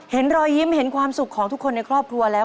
เห็นรอยยิ้มเห็นความสุขของทุกคนในครอบครัวแล้ว